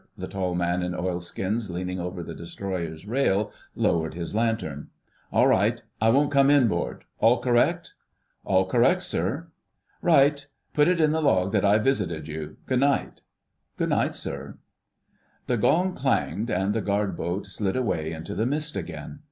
The tall man in oilskins leaning over the Destroyer's rail lowered his lantern. "All right, I won't come inboard. All correct?" "All correct, sir." "Right. Put it in the log that I've visited you. Good night." "Good night, sir." The gong clanged, and the Guard Boat slid away into the mist again.